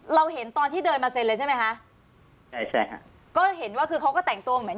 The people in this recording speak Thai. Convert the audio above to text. เราเห็นตอนที่เดินมาเซ็นเลยใช่ไหมคะใช่ใช่ค่ะก็เห็นว่าคือเขาก็แต่งตัวเหมือน